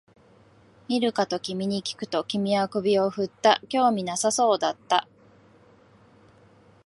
見るかと君にきくと、君は首を振った、興味なさそうだった